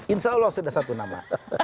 insya allah sudah satu nama